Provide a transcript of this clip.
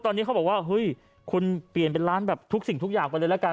ตอนนี้เขาบอกว่าเฮ้ยคุณเปลี่ยนเป็นร้านแบบทุกสิ่งทุกอย่างไปเลยละกัน